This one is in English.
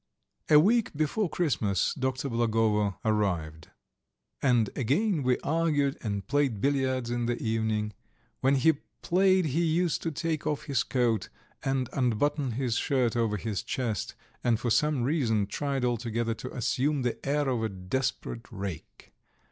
A week before Christmas Dr. Blagovo arrived. And again we argued and played billiards in the evenings. When he played he used to take off his coat and unbutton his shirt over his chest, and for some reason tried altogether to assume the air of a desperate rake.